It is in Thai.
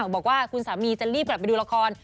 บอกว่าคุณสามีจะรีบกลับไปดูละคร